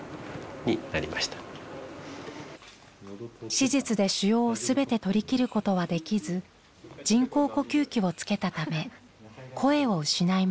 手術で腫瘍を全て取りきることはできず人工呼吸器をつけたため声を失いました。